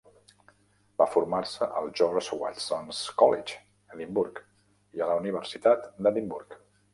Va formar-se a al George Watson's College, Edimburg, i a la Universitat d'Edimburg.